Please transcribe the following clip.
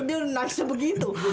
dia dia nangisnya begitu